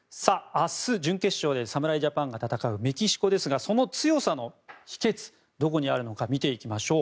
明日、準決勝で侍ジャパンが戦うメキシコですがその強さの秘訣どこにあるのか見ていきましょう。